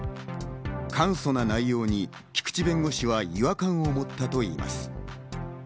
簡素な内容に菊地弁護士は違和感を持ったといいます。